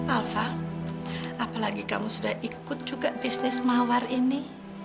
alfa apalagi kamu sudah ikut juga bisnis mawar ini